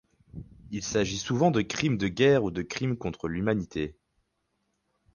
Il s'agit souvent de crimes de guerre ou de crimes contre l'humanité.